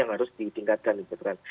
yang harus ditingkatkan gitu kan